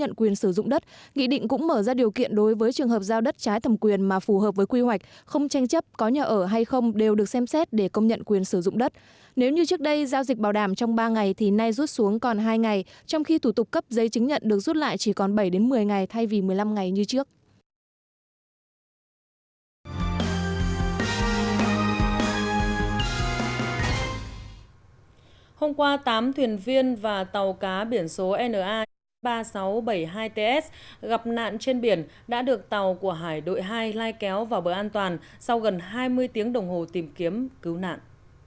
hôm qua tám thuyền viên và tàu cá biển số na chín mươi ba nghìn sáu trăm bảy mươi hai ts gặp nạn trên biển đã được tàu của hải đội hai lai kéo vào bờ an toàn sau gần hai mươi tiếng đồng hồ tìm kiếm cứu nạn